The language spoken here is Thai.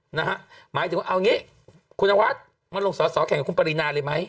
หมายถึงว่าเอางี้คุณนวัฒน์มาลงสอสอแข่งกับคุณปรินาเลยไหม